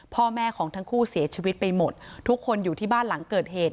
พ่อแม่ของทั้งคู่เสียชีวิตไปหมดทุกคนอยู่ที่บ้านหลังเกิดเหตุ